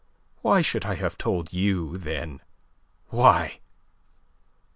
Why should I have told you, then? Why?